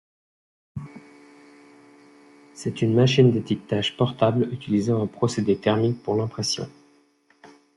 C'est une machine d'étiquetage portable utilisant un procédé thermique pour l'impression.